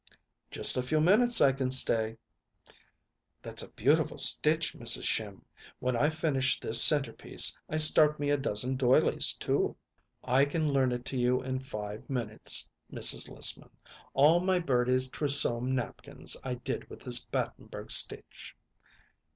"Just a few minutes I can stay." "That's a beautiful stitch, Mrs. Schimm. When I finish this centerpiece I start me a dozen doilies too." "I can learn it to you in five minutes, Mrs. Lissman. All my Birdie's trousseau napkins I did with this Battenberg stitch."